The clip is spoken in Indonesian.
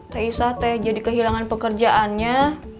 teh isa teh jadi kehilangan pekerjaannya